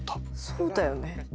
そうだよね？